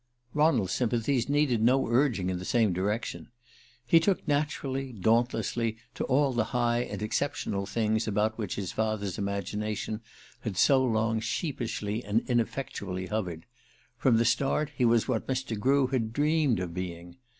Ronald's sympathies needed no urging in the same direction. He took naturally, dauntlessly, to all the high and exceptional things about which his father's imagination had so long sheepishly and ineffectually hovered from the start he was what Mr. Grew had dreamed of being.